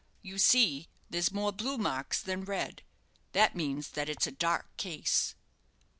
You see, there's more blue marks than red. That means that it's a dark case."